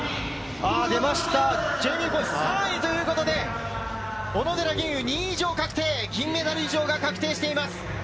ジェイミーは３位ということで小野寺吟雲、銀メダル以上が確定しています。